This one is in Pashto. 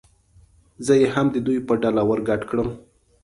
زه یې هم د دوی په ډله ور ګډ کړم.